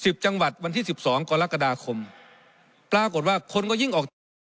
สิบจังหวัดวันที่สิบสองกรกฎาคมปรากฏว่าคนก็ยิ่งออกจาก